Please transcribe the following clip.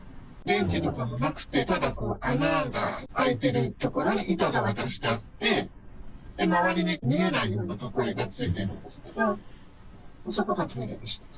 便器とかもなくてただ、こう、穴が開いている所に板が渡してあって、周りに見えないような囲いがついてるんですけど、そこがトイレでした。